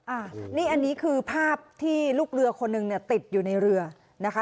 อันนี้คือภาพที่ลูกเรือคนหนึ่งติดอยู่ในเรือนะคะ